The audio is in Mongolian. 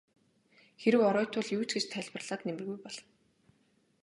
Хэрэв оройтвол юу ч гэж тайлбарлаад нэмэргүй болно.